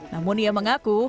namun ia mengaku